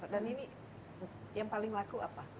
dan ini yang paling laku apa